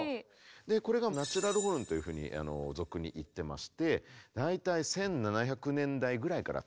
これがナチュラルホルンというふうに俗にいってまして大体１７００年代ぐらいから使われてました。